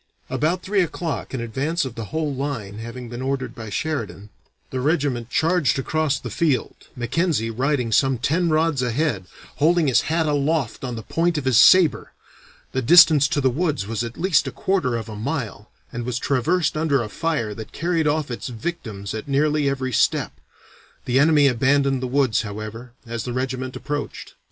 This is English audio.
"About three o'clock, an advance of the whole line having been ordered by Sheridan, the regiment charged across the field, Mackenzie riding some ten rods ahead, holding his hat aloft on the point of his saber. The distance to the woods was at least a quarter of a mile, and was traversed under a fire that carried off its victims at nearly every step. The enemy abandoned the woods, however, as the regiment approached.